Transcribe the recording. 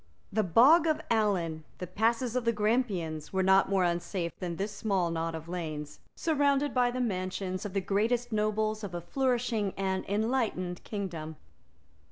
The Bog of Allen, the passes of the Grampians, were not more unsafe than this small knot of lanes, surrounded by the mansions of the greatest nobles of a flourishing and enlightened kingdom.